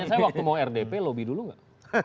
saya waktu mau rdp lobby dulu nggak